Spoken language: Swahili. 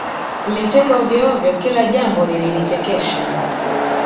Nilicheka ovyoovyo Kila jambo lilinichekesha